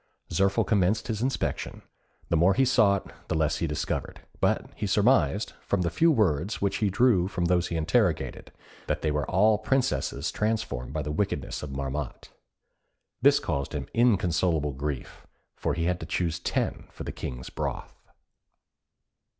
Zirphil commenced his inspection; the more he sought, the less he discovered, but he surmised, from the few words which he drew from those he interrogated, that they were all princesses transformed by the wickedness of Marmotte. This caused him inconsolable grief, for he had to choose ten for the King's broth.